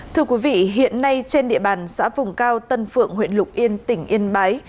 thưa quý vị hiện nay trên địa bàn xã vùng cao tân phượng huyện lục yên tỉnh yên bái